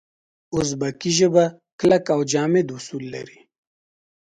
اوزبکي ژبه کلک او جامد اصول لري.